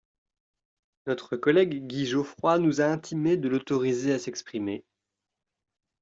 Notre collègue Guy Geoffroy nous a intimé de l’autoriser à s’exprimer.